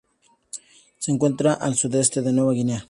Se encuentra al sudeste de Nueva Guinea.